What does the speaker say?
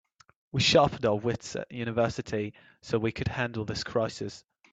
We sharpened our wits at university so we could handle this crisis.